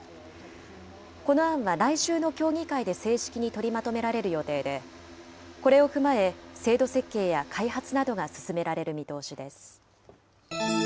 この案は来週の協議会で正式に取りまとめられる予定で、これを踏まえ、制度設計や開発などが進められる見通しです。